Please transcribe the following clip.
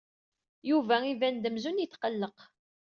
Yuba iban-d amzun yetqelleq.